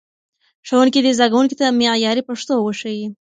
ښوونکي دې زدهکوونکو ته معیاري پښتو وښيي.